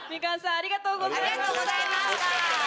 ありがとうございます。